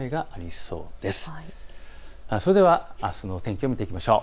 それではあすの天気を見ていきましょう。